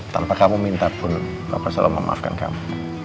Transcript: tanpa kamu minta pun bapak selalu memaafkan kamu